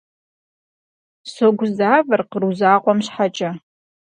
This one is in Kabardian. Согузавэр къру закъуэм щхьэкӏэ.